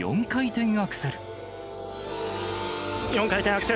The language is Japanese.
４回転アクセル。